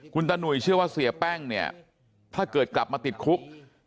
คุณตาหนุ่ยเชื่อว่าเสียแป้งเนี่ยถ้าเกิดกลับมาติดคุก